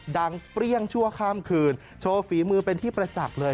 เปรี้ยงชั่วข้ามคืนโชว์ฝีมือเป็นที่ประจักษ์เลย